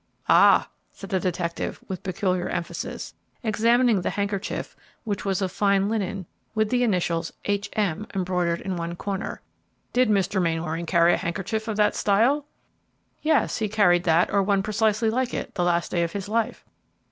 "Ah!" said the detective, with peculiar emphasis, examining the handkerchief, which was of fine linen, with the initials "H. M." embroidered in one corner. "Did Mr. Mainwaring carry a handkerchief of that style?" "Yes; he carried that, or one precisely like it, the last day of his life."